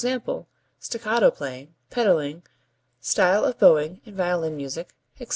_, staccato playing, pedalling, style of bowing in violin music, etc.